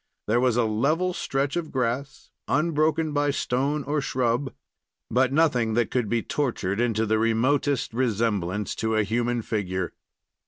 There was the level stretch of grass, unbroken by stone or shrub, but nothing that could be tortured into the remotest resemblance to a human figure.